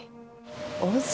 温泉？